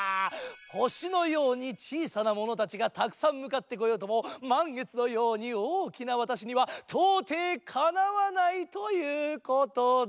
星のようにちいさなものたちがたくさんむかってこようともまんげつのようにおおきなわたしにはとうていかなわないということだ。